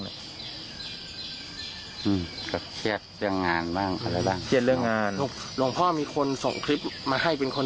เครียดเรื่องงานบ้างจริงคุณพ่อมีคนส่งคลิปมาให้เป็นคน